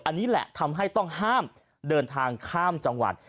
อันนี้แหละทำให้ต้องห้ามเดินทางข้ามจังหวัด